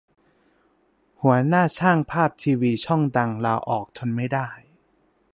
หัวหน้าช่างภาพทีวีช่องดัง ลาออก ทนไม่ได้